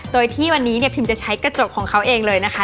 โดยที่วันนี้เนี่ยพิมจะใช้กระจกของเขาเองเลยนะคะ